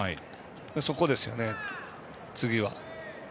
そこですよね、次は。